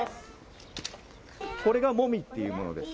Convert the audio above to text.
これがもみっていうものです。